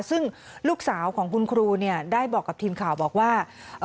ซึ่งลูกสาวของคุณครูเนี่ยได้บอกกับทีมข่าวบอกว่า